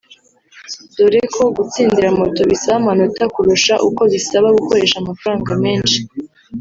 dore ko gutsindira moto bisaba amanota kurusha uko bisaba gukoresha amafaranga menshi